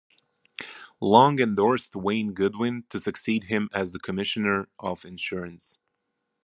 Long endorsed Wayne Goodwin to succeed him as Commissioner of Insurance.